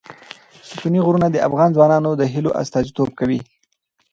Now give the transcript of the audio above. ستوني غرونه د افغان ځوانانو د هیلو استازیتوب کوي.